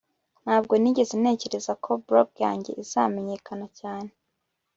ntabwo nigeze ntekereza ko blog yanjye izamenyekana cyane